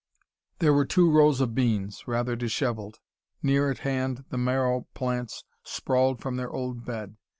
There were two rows of beans, rather disshevelled. Near at hand the marrow plants sprawled from their old bed.